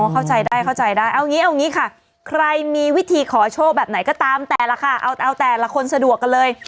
เข้าใจได้เข้าใจได้เอางี้เอางี้ค่ะใครมีวิธีขอโชคแบบไหนก็ตามแต่ละค่ะเอาแต่ละคนสะดวกกันเลย